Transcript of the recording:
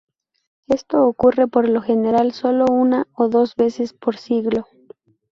Esto ocurre por lo general solo una o dos veces por siglo.